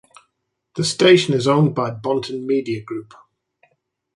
The station is owned by Bonten Media Group.